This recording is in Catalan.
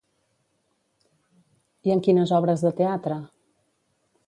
I en quines obres de teatre?